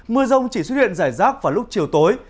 mưa rông chỉ xuất hiện rải rác vào lúc chiều tối